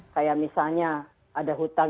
kayak misalnya ada hutang